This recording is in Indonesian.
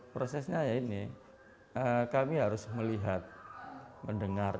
prosesnya ya ini kami harus melihat mendengar